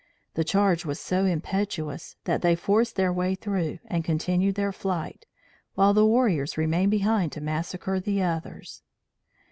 The charge was so impetuous, that they forced their way through, and continued their flight, while the warriors remained behind to massacre the others.